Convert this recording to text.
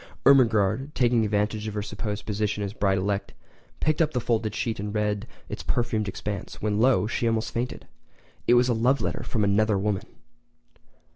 Ermengarde, taking advantage of her supposed position as a bride elect, picked up the folded sheet and read its perfumed expanse—when lo! she almost fainted! It was a love letter from another woman!!